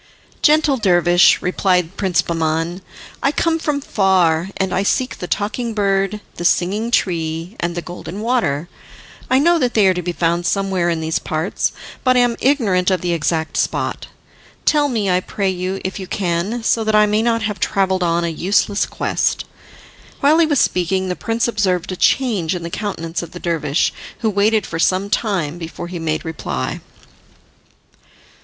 "Gentle dervish," replied Prince Bahman, "I come from far, and I seek the Talking Bird, the Singing Tree, and the Golden Water. I know that they are to be found somewhere in these parts, but I am ignorant of the exact spot. Tell me, I pray you, if you can, so that I may not have travelled on a useless quest." While he was speaking, the prince observed a change in the countenance of the dervish, who waited for some time before he made reply.